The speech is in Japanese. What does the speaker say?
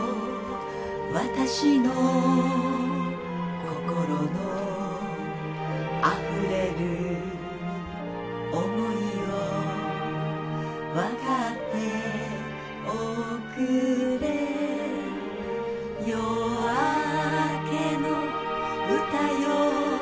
私の心のあふれる想いを判っておくれ夜明けのうたよ